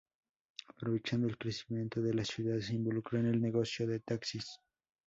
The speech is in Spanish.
Aprovechando el crecimiento de la ciudad se involucró en el negocio de taxis.